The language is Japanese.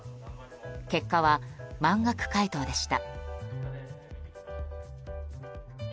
結果は、満額回答でした。